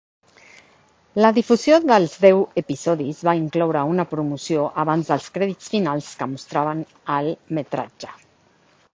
La difusió dels deu episodis va incloure una promoció abans dels crèdits finals que mostraven el metratge.